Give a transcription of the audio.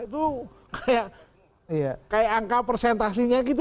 itu kayak angka persentasinya gitu